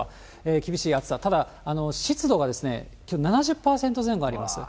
厳しい暑さ、ただ、湿度がきょう７０％前後あります。